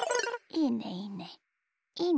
いいねいいね。